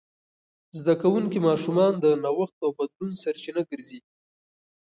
زده کوونکي ماشومان د نوښت او بدلون سرچینه ګرځي.